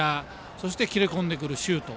そして切れ込んでくるシュート。